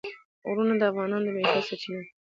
غرونه د افغانانو د معیشت سرچینه ده.